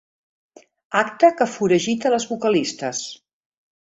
Acte que foragita les vocalistes.